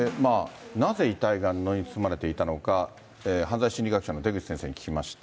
なぜ遺体が布に包まれていたのか、犯罪心理学者の出口先生に聞きました。